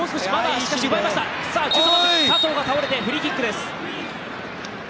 佐藤が倒れてフリーキックです。